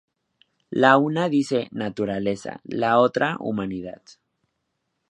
La una dice 'Naturaleza', la otra 'Humanidad'.